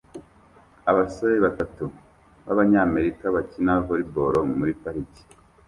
abasore batatu b'Abanyamerika bakina volleyball muri parike